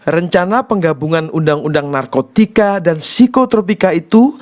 rencana penggabungan undang undang narkotika dan psikotropika itu